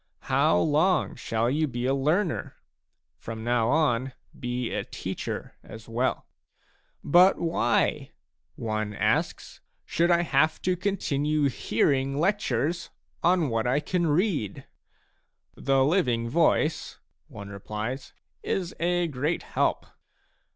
How long shall you be a learner ? From now on be a teacher as well !" But why," one asks/* " should I have to continue hearing lectures on what I can read ?"" The living voice," one replies, " is a great help."